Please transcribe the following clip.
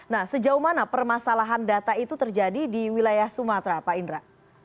nah sejauh mana permasalahan data itu terjadi di wilayah sumatera pak indra